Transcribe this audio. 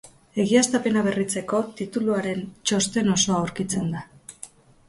Egiaztapena Berritzeko tituluaren txosten osoa aurkitzen da.